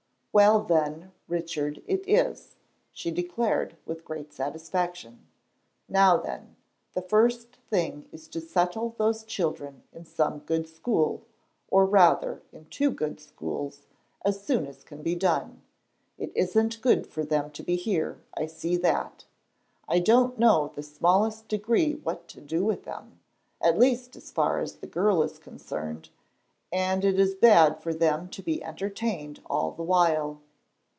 "Well, then, Richard it is," she declared, with great satisfaction. "Now then, the first thing is to settle those children in some good school, or rather in two good schools, as soon as can be done. It isn't good for them to be here, I see that. I don't know in the smallest degree what to do with them, at least as far as the girl is concerned, and it is bad for them to be entertained all the while."